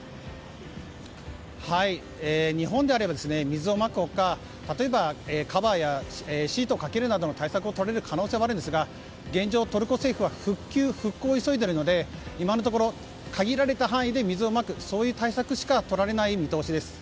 日本であれば水をまく他例えば、カバーやシートをかけるなどの対策をとれる可能性もあるんですが現状、トルコ政府は復旧・復興を急いでいるので今のところ、限られた範囲で水をまくそういう対策しかとられない見通しです。